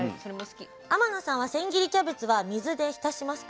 天野さんは千切りキャベツは水で浸しますか？